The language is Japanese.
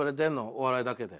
お笑いだけで。